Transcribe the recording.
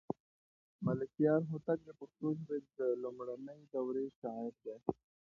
ملکیار هوتک د پښتو ژبې د لومړنۍ دورې شاعر دی.